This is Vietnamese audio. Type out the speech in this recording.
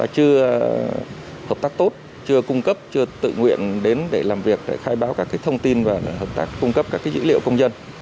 chưa hợp tác tốt chưa cung cấp chưa tự nguyện đến để làm việc để khai báo các thông tin và hợp tác cung cấp các dữ liệu công dân